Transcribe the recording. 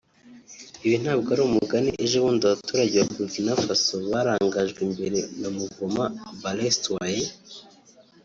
Ibi ntabwo ari umugani ejobundi abaturage ba Bourkinafaso barangajwe imbere na movement Balain Citoyain